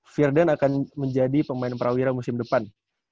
virdan akan menjadi pemain prawira musim depan